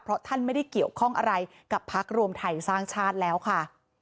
เพราะท่านไม่ได้เกี่ยวข้องอะไรกับพักรวมไทยสร้างชาติแล้วค่ะ